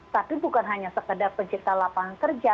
tapi bukan hanya sekadar penciptaan lapangan kerja